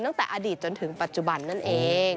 ตั้งแต่อดีตจนถึงปัจจุบันนั่นเอง